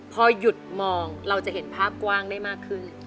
พอหยุดมองเราจะเห็นภาพกว้างได้มากขึ้น